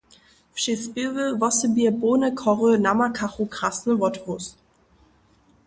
Wšě spěwy, wosebje połne chory, namakachu krasny wothłós.